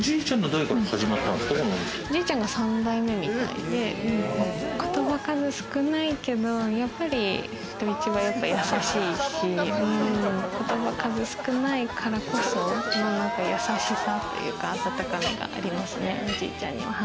おじいちゃんが３代目みたいで、言葉数少ないけど、やっぱり人一倍優しいし、言葉数少ないからこその、何か優しさというか、温かみがありますね、おじいちゃんには。